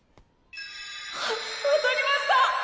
あ当たりました！